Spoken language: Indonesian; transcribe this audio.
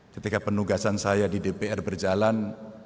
ketika penugasan saya di dpr berjalan